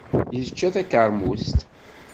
Yečča takemust.